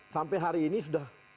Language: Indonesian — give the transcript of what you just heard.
sampai hari ini sudah